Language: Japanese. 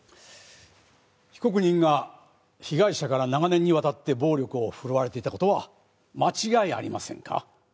被告人が被害者から長年にわたって暴力を振るわれていた事は間違いありませんか？